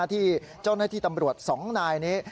ที่เจ้าหน้าที่ตำรวจ๒นายนี้